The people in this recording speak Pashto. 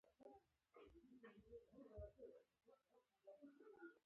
احمد پرون ښار ته تللی وو؛ هلته يې سترګې خوږې کړې.